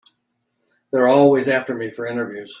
They're always after me for interviews.